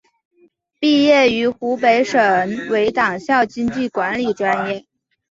毕业于湖北省委党校经济管理专业。